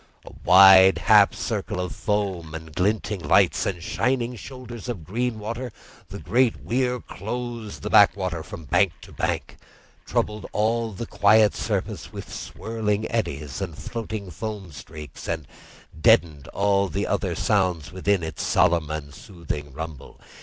A wide half circle of foam and glinting lights and shining shoulders of green water, the great weir closed the backwater from bank to bank, troubled all the quiet surface with twirling eddies and floating foam streaks, and deadened all other sounds with its solemn and soothing rumble.